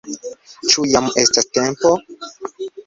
Ĉu jam estas tempo?